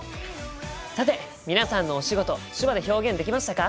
さて皆さんのお仕事手話で表現できましたか？